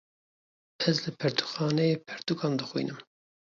Ez li pertûkxanayê, pertûkan dixwînim